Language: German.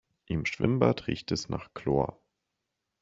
Im Schwimmbad riecht es nach Chlor.